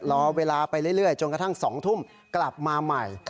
รอเวลาไปเรื่อยจนกระทั่ง๒ทุ่มกลับมาใหม่